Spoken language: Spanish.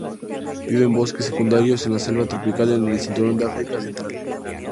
Vive en bosques secundarios en la selva tropical en el cinturón de África Central.